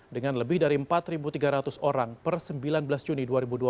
dengan lebih dari empat tiga ratus orang per sembilan belas juni dua ribu dua puluh